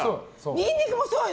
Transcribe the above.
ニンニクもそうよ！